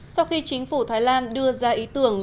sau khi chính phủ thái lan đưa ra ý tưởng